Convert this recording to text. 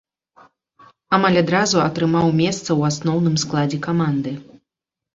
Амаль адразу атрымаў месца ў асноўным складзе каманды.